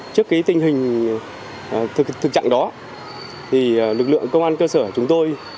trước tình hình thực trạng đó lực lượng công an cơ sở chúng tôi